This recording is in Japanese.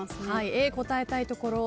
Ａ答えたいところ。